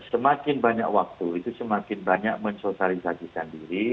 semakin banyak waktu itu semakin banyak mensosialisasi sendiri